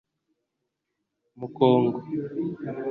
Mkongo